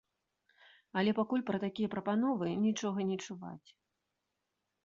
Але пакуль пра такія прапановы нічога не чуваць.